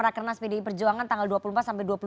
raksanas pdi perjuangan tanggal dua puluh empat sampai